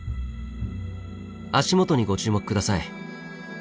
足元にご注目下さい。